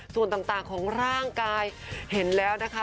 ส่วนต่างของร่างกายเห็นแล้วนะคะ